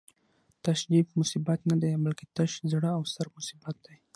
تش جېب مصیبت نه دی، بلکی تش زړه او سر مصیبت دی